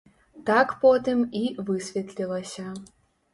Так потым і высветлілася.